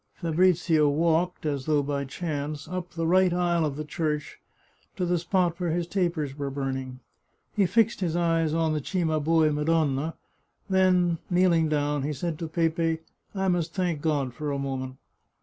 Fabrizio walked, as though by chance, up the right aisle of the church to the spot where his tapers were burning. He fixed his eyes on the Cimabue Madonna, then, kneeling down, he said to Pepe, " I must thank God for a moment."